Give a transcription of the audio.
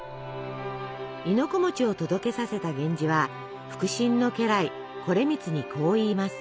亥の子を届けさせた源氏は腹心の家来惟光にこう言います。